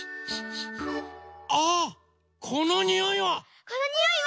あっこのにおいは！